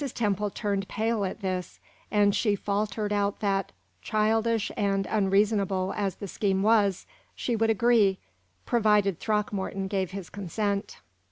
Temple turned pale at this; and she faltered out that, childish and unreasonable as the scheme was, she would agree provided Throckmorton gave his consent.